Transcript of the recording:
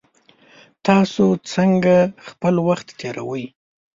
تاسو څنګه خپل وخت تیروئ؟